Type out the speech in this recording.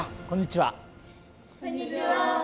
こんにちは。